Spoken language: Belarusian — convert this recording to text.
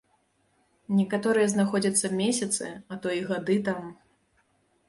Некаторыя знаходзяцца месяцы, а то і гады там.